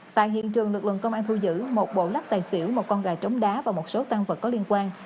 tại hiện trường lực lượng công an thu giữ một bộ lắc tài xỉu một con gà trống đá và một số tăng vật có liên quan